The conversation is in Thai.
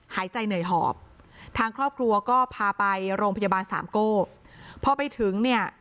หายใจเหนื่อยหอบทางครอบครัวก็พาไปโรงพยาบาลสามโก้พอไปถึงเนี่ย